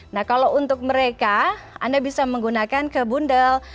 nah kalau untuk mereka anda bisa menggunakan kebundel